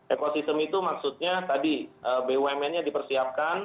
ekosistem itu maksudnya tadi bumnnya dipersiapkan